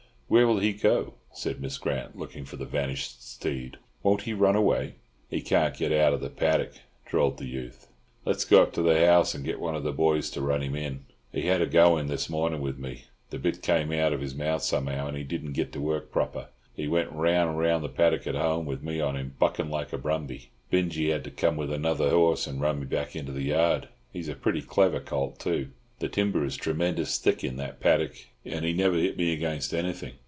"Where will he go to?" said Miss Grant, looking for the vanished steed. "Won't he run away?" "He can't get out of the paddick," drawled the youth. "Let's go up to the house, and get one of the boys to run him in. He had a go in this morning with me—the bit came out of his mouth somehow, and he did get to work proper. He went round and round the paddick at home, with me on him, buckin' like a brumby. Binjie had to come out with another horse and run me back into the yard. He's a pretty clever colt, too. The timber is tremendous thick in that paddick, and he never hit me against anything.